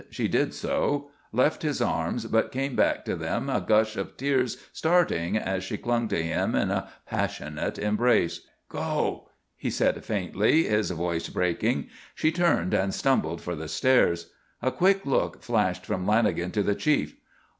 She did so; left his arms, but came back to them, a gush of tears starting as she clung to him in a passionate embrace. "Go," he said, faintly, his voice breaking. She turned and stumbled for the stairs. A quick look flashed from Lanagan to the Chief.